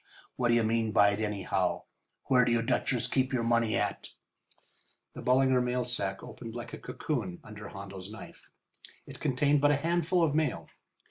What d'you mean by it, anyhow? Where do you Dutchers keep your money at?" The Ballinger mail sack opened like a cocoon under Hondo's knife. It contained but a handful of mail.